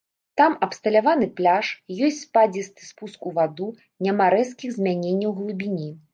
Там абсталяваны пляж, ёсць спадзісты спуск у ваду, няма рэзкіх змяненняў глыбіні.